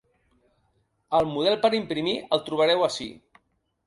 El model per a imprimir el trobareu ací.